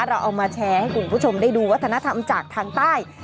เราเอามาแชร์ให้คุณผู้ชมได้ดูวัฒนธรรมจากทางใต้